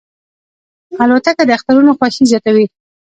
الوتکه د اخترونو خوښي زیاتوي.